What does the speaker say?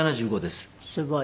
すごい。